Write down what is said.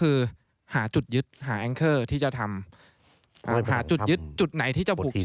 แล้วความเหนื่อยระเนี่ยมันจะมากกว่าเดินปกติตั้งเท่าไหร่ต่อเท่าไหร่